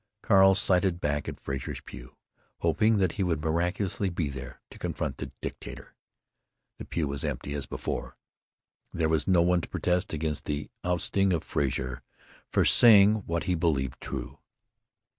Carl sighted back at Frazer's pew, hoping that he would miraculously be there to confront the dictator. The pew was empty as before. There was no one to protest against the ousting of Frazer for saying what he believed true.